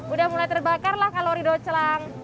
udah mulai terbakar lah kalau ridau celang